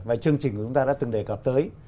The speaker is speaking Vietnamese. và chương trình của chúng ta đã từng đề cập tới